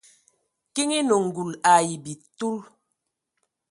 Kiŋ enə ngul ai bitil.